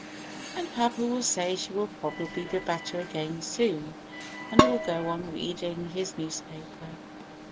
And papa will say she will probably be better again soon, and will go on reading his newspaper.